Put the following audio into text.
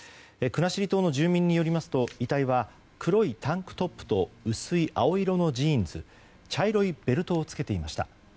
国後島の住民によりますと遺体は黒いタンクトップと薄い青色のジーンズ茶色いベルトを着けていました。